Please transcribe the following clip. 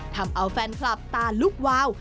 ทำเอาแฟนคลับตาลุกวาว